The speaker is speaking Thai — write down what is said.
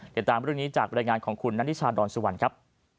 เดี๋ยวตามเรื่องนี้จากบริษัทของคุณนัทธิชาดรสุวรรณครับ